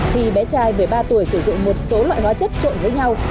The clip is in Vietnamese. khi bé trai một mươi ba tuổi sử dụng một số loại hóa chất trộn với nhau